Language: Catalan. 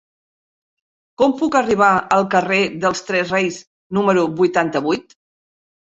Com puc arribar al carrer dels Tres Reis número vuitanta-vuit?